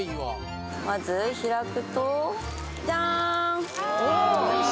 まず開くとジャーンおお！